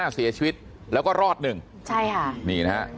๑๕เสียชีวิตแล้วก็รอดหนึ่งนี่นะครับ